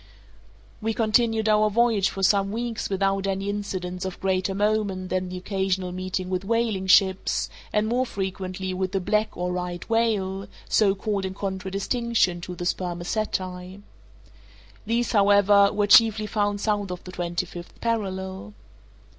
We continued our voyage for some weeks without any incidents of greater moment than the occasional meeting with whaling ships, and more frequently with the black or right whale, so called in contradistinction to the spermaceti. These, however, were chiefly found south of the twenty fifth parallel.